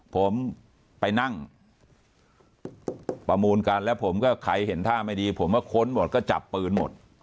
ผมไปนั่งประมูลกันแล้วผมก็ใครเห็นท่าไม่ดีผมก็ค้นหมดก็จับปืนหมด